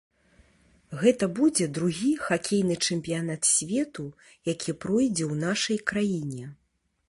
Гэта будзе другі хакейны чэмпіянат свету, які пройдзе ў нашай краіне.